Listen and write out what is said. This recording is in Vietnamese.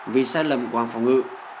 vì xét lầm của hàng phòng ngự